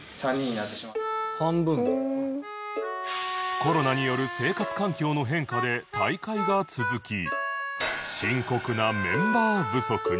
コロナによる生活環境の変化で退会が続き深刻なメンバー不足に